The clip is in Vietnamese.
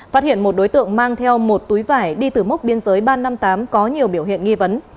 phát hiện một đối tượng mang theo một túi vải đi từ mốc biên giới ba trăm năm mươi tám có nhiều biểu hiện nghi vấn